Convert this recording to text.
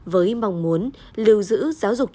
với mong muốn lưu giữ giáo dục truyền thông